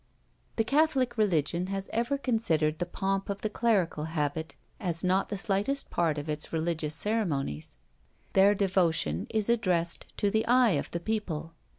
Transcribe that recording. The catholic religion has ever considered the pomp of the clerical habit as not the slightest part of its religious ceremonies; their devotion is addressed to the eye of the people.